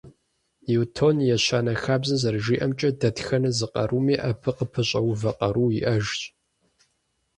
Ньютон и ещанэ хабзэм зэрыжиӏэмкӏэ, дэтхэнэ зы къаруми, абы къыпэщӏэувэ къару иӏэжщ.